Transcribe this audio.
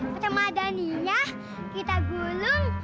pertama ada ninya kita gulung